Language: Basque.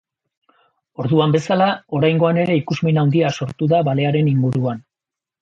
Orduan bezala, oraingoan ere ikusmin handia sortu da balearen inguruan.